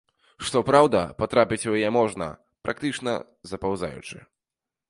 Што праўда, патрапіць у яе можна, практычна запаўзаючы.